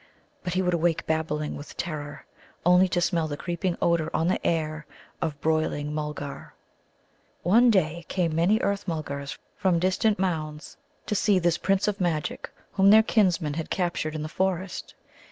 But he would awake babbling with terror, only to smell the creeping odour on the air of broiling Mulgar. One day came many Earth mulgars from distant mounds to see this Prince of Magic whom their kinsmen had captured in the forest.